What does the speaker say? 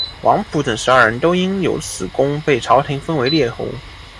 王甫等十二人都因此有功被朝廷封为列侯。